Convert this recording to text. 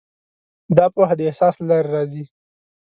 دا پوهه د احساس له لارې راځي.